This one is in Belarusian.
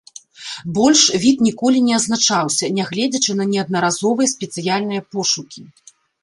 Больш від ніколі не адзначаўся, нягледзячы на неаднаразовыя спецыяльныя пошукі.